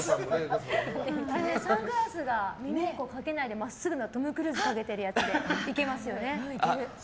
サングラスが真っすぐなトム・クルーズがかけてるやつでいけますよね。